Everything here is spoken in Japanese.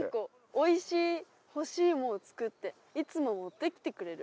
「おいしいほしいもを作っていつも持ってきてくれる」